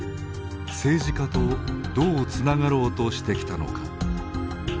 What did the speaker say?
政治家とどうつながろうとしてきたのか。